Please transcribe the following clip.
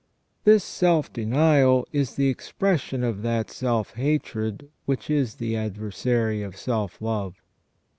t This self denial is the expression of that self hatred which is the adversary of self love.